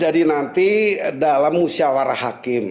dalam usiawara hakim